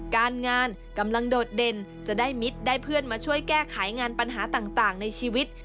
การงานกำลังโดดเด่นจะได้มิตรได้เพื่อนมาช่วยแก้ไขงานปัญหาต่างในชีวิต